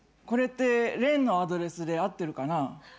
これってレンのアドレスで合ってるかな？」